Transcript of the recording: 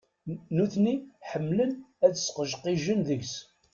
Nutni ḥemmlen ad sqejqijen deg-s.